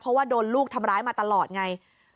เพราะว่าโดนลูกทำร้ายมาตลอดไง